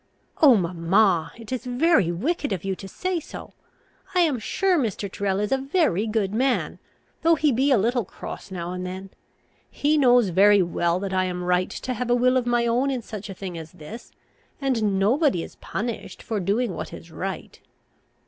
"Oh, mamma! it is very wicked of you to say so. I am sure Mr. Tyrrel is a very good man, though he be a little cross now and then. He knows very well that I am right to have a will of my own in such a thing as this, and nobody is punished for doing what is right."